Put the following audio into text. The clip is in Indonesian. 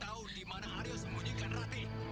apa yang enggak mungkin